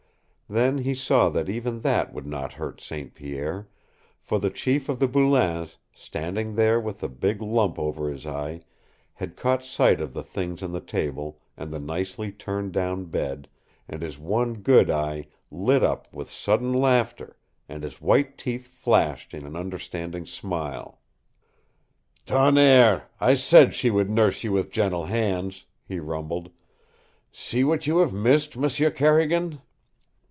Then he saw that even that would not hurt St. Pierre, for the chief of the Boulains, standing there with the big lump over his eye, had caught sight of the things on the table and the nicely turned down bed, and his one good eye lit up with sudden laughter, and his white teeth flashed in an understanding smile. "TONNERRE, I said she would nurse you with gentle hands," he rumbled. "See what you have missed, M'sieu Carrigan!"